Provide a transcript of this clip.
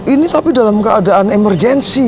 ini tapi dalam keadaan emergensi